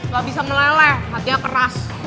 gabisa meleleh hatinya keras